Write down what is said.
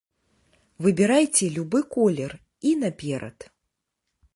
Выбірайце любы колер і наперад!